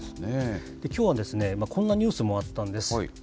きょうは、こんなニュースもあったんです。